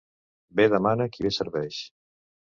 Bé demana qui bé serveix.